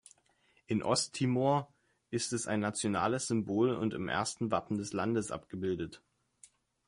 In Osttimor ist es ein nationales Symbol und im ersten Wappen des Landes abgebildet.